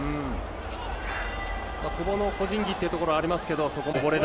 久保の個人技というところはありますけどこぼれ球